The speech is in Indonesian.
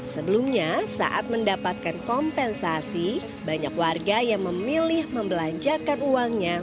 sebelumnya saat mendapatkan kompensasi banyak warga yang memilih membelanjakan uangnya